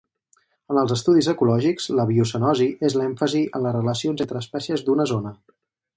En els estudis ecològics, la biocenosi és l'èmfasi en les relacions entre espècies d'una zona.